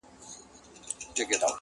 پرېږده دا کیسه اوس د اورنګ خبري نه کوو!